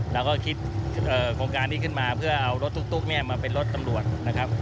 เราก็คิดโครงการนี้ขึ้นมาเพื่อเอารถตุ๊กเนี่ยมาเป็นรถตำรวจนะครับ